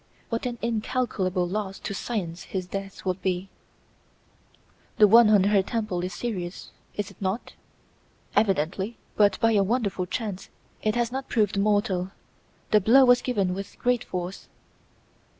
What an incalculable loss to science his death would be!" "The wound on her temple is serious, is it not?" "Evidently; but, by a wonderful chance, it has not proved mortal. The blow was given with great force."